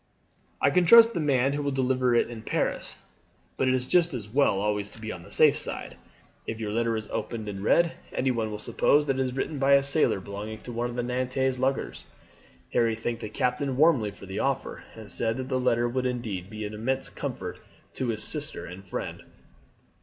"I can trust the man who will deliver it in Paris, but it is just as well always to be on the safe side. If your letter is opened and read, anyone will suppose that it is written by a sailor belonging to one of the Nantes luggers." Harry thanked the captain warmly for the offer, and said that the letter would indeed be an immense comfort to his sister and friend.